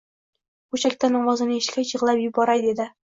Go`shakdan ovozini eshitgach, yig`lab yuboray dedi